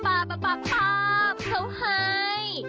ป้าเค้าให้